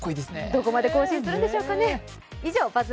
どこまで更新するんでしょうかね。